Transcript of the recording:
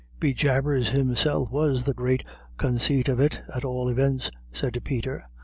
"Be jabers, himself has the great consait of it, at all ivents," said Peter.